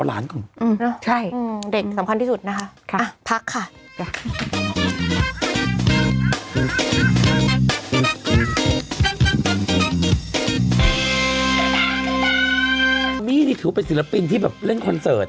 นี่ถือว่าเป็นศิลปินที่แบบเล่นคอนเสิร์ต